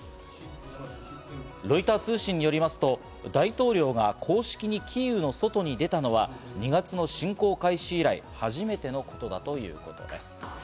ロイター通信によりますと、大統領が公式にキーウの外に出たのは２月の侵攻開始以来、初めてのことだということです。